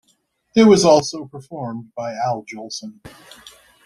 It was also performed by Al Jolson.